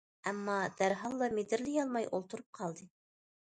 ئەمما، دەرھاللا مىدىرلىيالماي ئولتۇرۇپ قالدى.